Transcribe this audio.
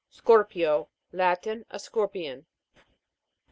SCOR'PIO. Latin. A scorpion.